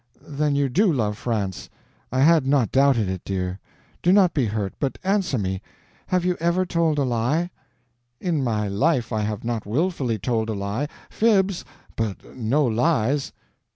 "Then you do love France. I had not doubted it, dear. Do not be hurt, but answer me—have you ever told a lie?" "In my life I have not wilfully told a lie—fibs, but no lies."